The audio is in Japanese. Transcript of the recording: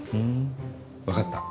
わかった。